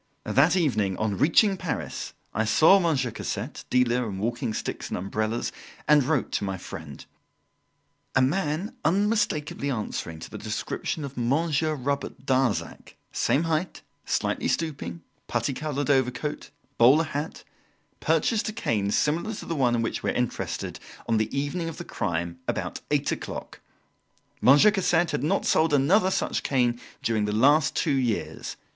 That evening, on reaching Paris, I saw Monsieur Cassette, dealer in walking sticks and umbrellas, and wrote to my friend: "A man unmistakably answering to the description of Monsieur Robert Darzac same height, slightly stooping, putty coloured overcoat, bowler hat purchased a cane similar to the one in which we are interested, on the evening of the crime, about eight o'clock. Monsieur Cassette had not sold another such cane during the last two years.